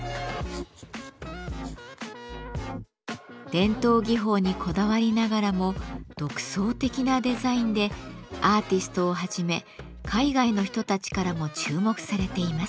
伝統技法にこだわりながらも独創的なデザインでアーティストをはじめ海外の人たちからも注目されています。